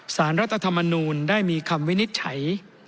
สารรัฐธรรมนูลได้มีคำวินิจฉัย